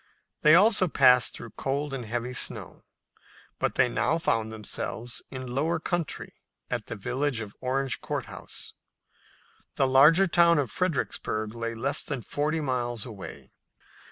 They also passed through cold and heavy snow, but they now found themselves in lower country at the village of Orange Court House. The larger town of Fredericksburg lay less than forty miles away.